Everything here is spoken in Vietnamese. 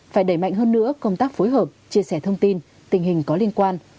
phải đẩy mạnh hơn nữa công tác phối hợp chia sẻ thông tin tình hình có liên quan